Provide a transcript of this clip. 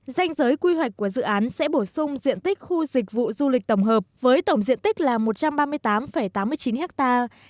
danh giới quy hoạch của dự án sẽ bổ sung diện tích khu dịch vụ du lịch tổng hợp với tổng diện tích là một trăm ba mươi tám tám mươi chín hectare